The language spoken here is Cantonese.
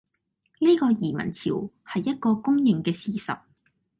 呢個移民潮，係一個公認嘅事實